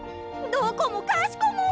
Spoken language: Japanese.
どこもかしこも！